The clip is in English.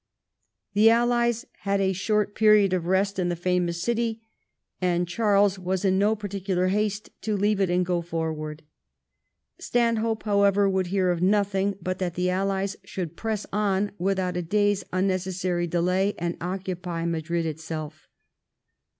The Allies had a short period 40 THE REIGN OF QUEEN ANNE. ch. xxii. of rest in the famous city, and Charles was in no par ticular haste to leave it and go forward. Stanhope, however, would hear of nothing but that the Allies should press on without a day's unnecessary delay and occupy Madrid itself.